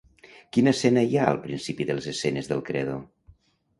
Quina escena hi ha al principi de les escenes del credo?